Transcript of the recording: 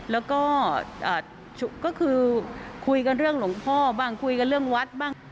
แล้วก็ก็คือคุยกันเรื่องหลวงพ่อบ้างคุยกันเรื่องวัดบ้าง